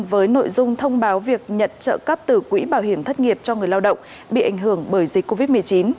với nội dung thông báo việc nhận trợ cấp từ quỹ bảo hiểm thất nghiệp cho người lao động bị ảnh hưởng bởi dịch covid một mươi chín